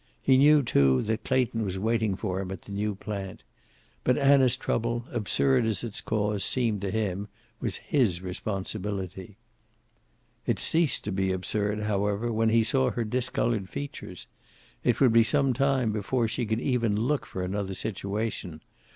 He knew, too, that Clayton was waiting for him at the new plant. But Anna's trouble, absurd as its cause seemed to him, was his responsibility. It ceased to be absurd, however, when he saw her discolored features. It would be some time before she could even look for another situation.